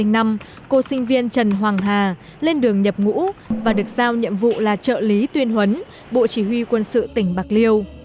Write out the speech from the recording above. năm hai nghìn năm cô sinh viên trần hoàng hà lên đường nhập ngũ và được giao nhiệm vụ là trợ lý tuyên huấn bộ chí huy quân sự tỉnh bạc liêu